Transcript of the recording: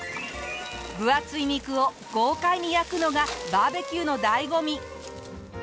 分厚い肉を豪快に焼くのがバーベキューの醍醐味。